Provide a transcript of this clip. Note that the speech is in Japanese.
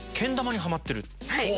はい。